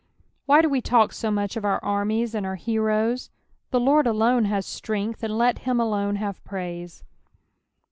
Whj do we talk BO much of our simiea and our heroes ? the Lord alooe bait strength, and let hun alooe have praise.